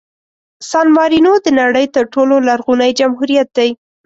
سان مارینو د نړۍ تر ټولو لرغوني جمهوریت دی.